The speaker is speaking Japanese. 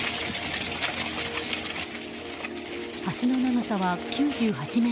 橋の長さは９８ｍ。